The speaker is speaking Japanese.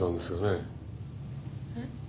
えっ？